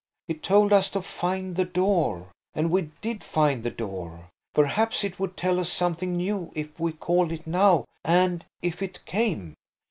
It told us to find the door. And we did find the door. Perhaps it would tell us something new if we called it now–and if it came."